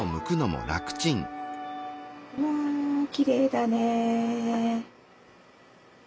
うわきれいだね。